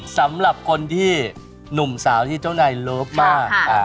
สำหรับคนที่หนุ่มสาวที่เจ้านายเลิฟมาก